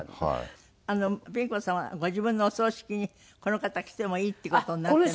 ピン子さんはご自分のお葬式にこの方来てもいいって事になってるんですって？